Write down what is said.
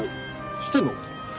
知ってんの？